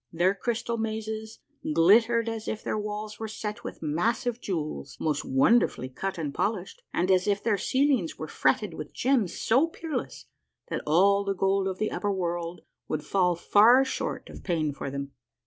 Their crystal mazes glittered as if their walls were set with massive jewels most wonderfully cut and polished, and as if their ceilings were fretted with gems so peerless that all the gold of the upper world would fall far short of paying for them.